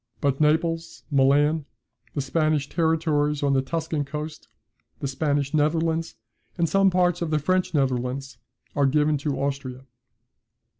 But Naples, Milan, the Spanish territories on the Tuscan coast, the Spanish Netherlands, and some parts of the French Netherlands, are given to Austria.